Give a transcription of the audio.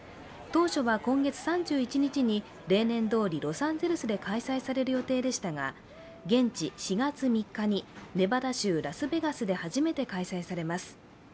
当初は今月３１日に例年どおりロサンゼルスで開催される予定でしたが現地４月３日に、ネバダ州ラスベガスで初めて開催されます。